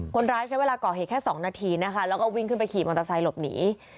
คนร้ายใช้เวลาก่อเหตุแค่๒นาทีนะคะแล้วก็วิ่งขึ้นไปขี่มอเตอร์ไซค์หลบหนี